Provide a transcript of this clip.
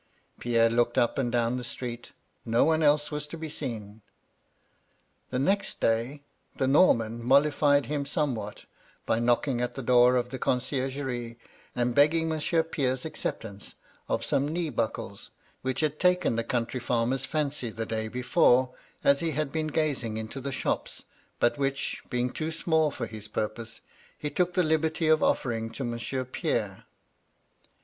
Pierre looked up and down the street; no one else was to be seen. The next day, the Norman mollified MY LADY LUDLOW. 145 him somewhat by knocking at the door of the con ciergerie, and begging Monsiem* Pierre^s acceptance of some knee buckles, which had taken the country farmer's fancy the day before, as he had been gazing into the shops, but which, being too small for his pur pose, he took the liberty of ofifering to Monsieur Pierre.